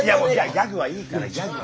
ギャグはいいからギャグは。